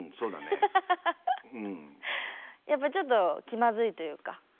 やっぱちょっと気まずいというか。